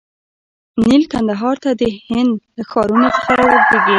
نیل کندهار ته د هند له ښارونو څخه واردیږي.